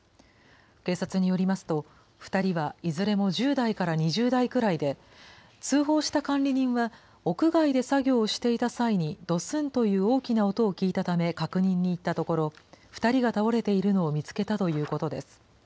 警察によりますと、２人はいずれも１０代から２０代くらいで、通報した管理人は、屋外で作業をしていた際に、どすんという大きな音を聞いたため確認に行ったところ、２人が倒れているのを見つけたということです。